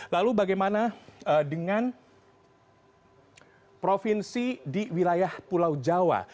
lalu bagaimana dengan provinsi di wilayah pulau jawa